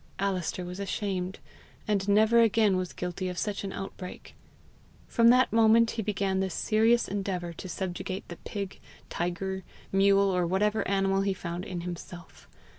Alister was ashamed, and never again was guilty of such an outbreak. From that moment he began the serious endeavour to subjugate the pig, tiger, mule, or whatever animal he found in himself.